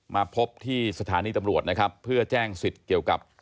มาพบที่สถานีตำรวจนะครับเพื่อแจ้งสิทธิ์เกี่ยวกับ